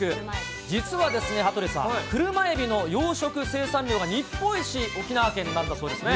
実はですね羽鳥さん、車エビの養殖生産量が日本一、沖縄県なんですね。